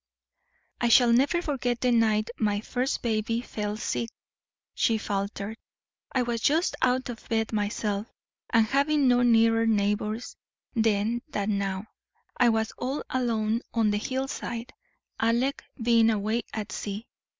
"I shall never forget the night my first baby fell sick," she faltered; "I was just out of bed myself, and having no nearer neighbours then than now, I was all alone on the hillside, Alec being away at sea.